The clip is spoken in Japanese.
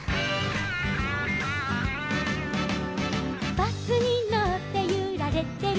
「バスにのってゆられてる」